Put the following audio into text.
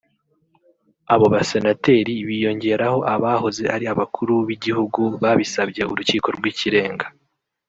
Abo Basenateri biyongeraho abahoze ari Abakuru b’Igihugu babisabye Urukiko rw’Ikirenga